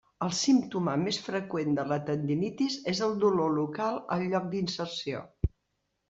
El símptoma més freqüent de la tendinitis és el dolor local al lloc d'inserció.